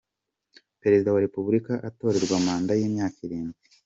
“Perezida wa Repubulika atorerwa manda y’imyaka irindwi.